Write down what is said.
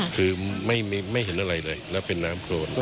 คือไม่เห็นอะไรเลยแล้วเป็นน้ำโครน